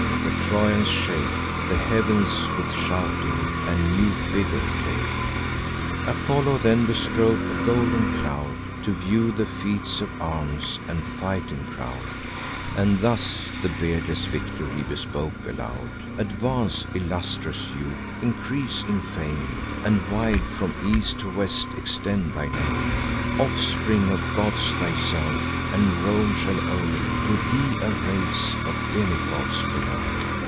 The Trojans shake The heav'ns with shouting, and new vigour take. Apollo then bestrode a golden cloud, To view the feats of arms, and fighting crowd; And thus the beardless victor he bespoke aloud: "Advance, illustrious youth, increase in fame, And wide from east to west extend thy name; Offspring of gods thyself; and Rome shall owe To thee a race of demigods below.